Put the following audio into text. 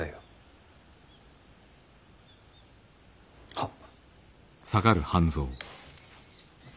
はっ。